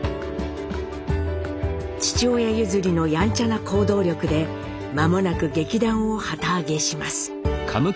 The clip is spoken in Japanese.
父親譲りのやんちゃな行動力で間もなく劇団を旗揚げします。